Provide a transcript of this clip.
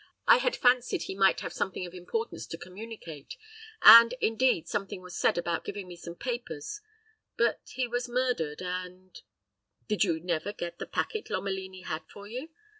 I had fancied he might have something of importance to communicate; and, indeed, something was said about giving me some papers; but he was murdered, and " "Did you never get the packet Lomelini had for you?"